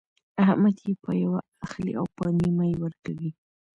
احمد يې په يوه اخلي او په نيمه يې ورکوي.